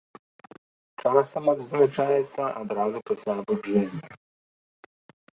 Часам адзначаецца адразу пасля абуджэння.